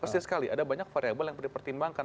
persis sekali ada banyak variable yang perlu dipertimbangkan